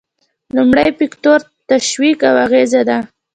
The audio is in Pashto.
لومړی فکتور تشویق او اغیزه ده.